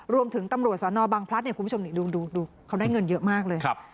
รวมถึงตำรวจสนบังพลัดคุณผู้ชมดูเขาได้เงินเยอะมากเลย